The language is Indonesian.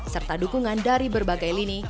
serta dukungan dari berbagai lini